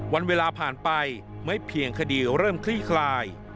วันเวลาผ่านไปไม่เพียงคดีเริ่มคลี่คลาย